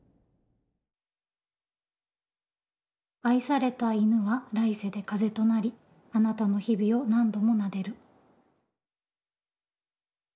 「愛された犬は来世で風となりあなたの日々を何度も撫でる」。